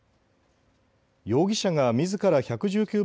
容疑者がみずから１１９番